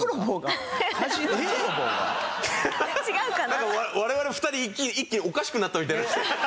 なんか我々２人一気におかしくなったみたいな。